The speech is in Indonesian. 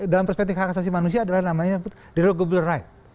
dalam perspektif hak asasi manusia adalah namanya derogable right